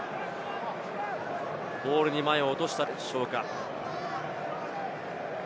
ボールを前に落としたでしょうか？